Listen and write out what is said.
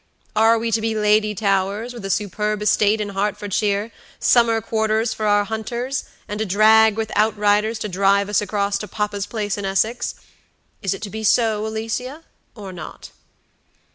Are we to be Lady Towers, with a superb estate in Hertfordshire, summer quarters for our hunters, and a drag with outriders to drive us across to papa's place in Essex? Is it to be so, Alicia, or not?"